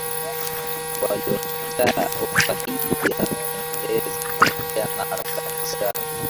walikataa ofa hii na kuendelea na harakati zao